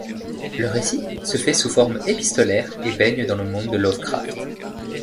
Le récit se fait sous forme épistolaire et baigne dans le monde de Lovecraft.